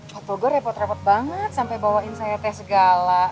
patuh gue repot repot banget sampe bawain saya teh segala